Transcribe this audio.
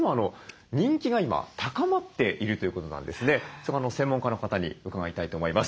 そこを専門家の方に伺いたいと思います。